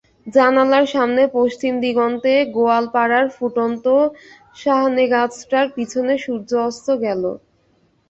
জানালার সামনে পশ্চিম দিগন্তে গোয়ালপাড়ার ফুটন্ত শজনেগাছটার পিছনে সূর্য অস্ত গেল।